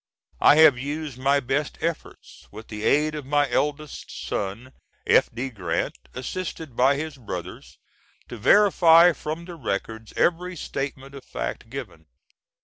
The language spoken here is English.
I have used my best efforts, with the aid of my eldest son, F. D. Grant, assisted by his brothers, to verify from the records every statement of fact given.